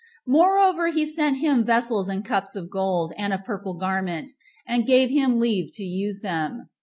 Moreover, he sent him vessels and cups of gold, and a purple garment, and gave him leave to use them.